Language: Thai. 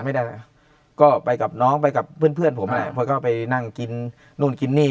ไม่ได้ก็ไปกับน้องไปกับเพื่อนผมก็ไปนั่งกินนู่นกินนี่